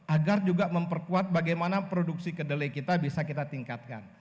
agar juga memperkuat bagaimana produksi kedelai kita bisa kita tingkatkan